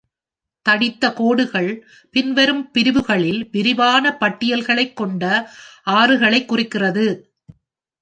தடித்த கோடுகள் பின்வரும் பிரிவுகளில் விரிவான பட்டியல்களைக் கொண்ட ஆறுகளைக் குறிக்கிறது.